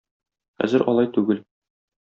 Хәзер алай түгел.